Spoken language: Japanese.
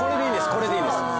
これでいいんです。